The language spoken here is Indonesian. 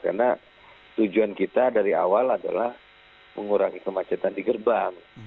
karena tujuan kita dari awal adalah mengurangi kemacetan di gerbang